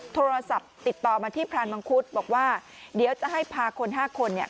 โทรศัพท์ติดต่อมาที่พรานมังคุดบอกว่าเดี๋ยวจะให้พาคนห้าคนเนี่ย